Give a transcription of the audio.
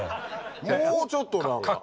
もうちょっと何か。